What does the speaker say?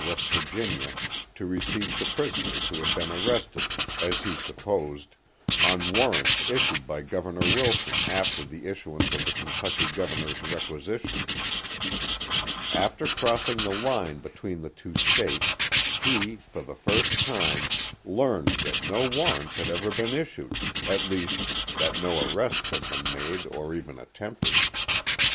Va., to receive the prisoners who had been arrested, as he supposed, on warrants issued by Governor Wilson after the issuance of the Kentucky governor's requisitions. After crossing the line between the two States he, for the first time, learned that no warrants had ever been issued, at least that no arrests had been made or even attempted.